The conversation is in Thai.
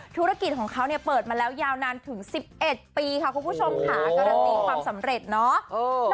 ธุรกิจของเขาเนี่ยเปิดมาแล้วยาวนานถึง๑๑ปีค่ะคุณผู้ชมค่ะการันตีความสำเร็จเนาะ